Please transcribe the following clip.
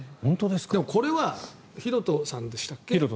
でもこれはヒロトさんでしたっけ